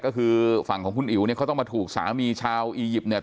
ก็คือฝั่งของคุณอิ๋วเนี่ยเขาต้องมาถูกสามีชาวอียิปต์เนี่ย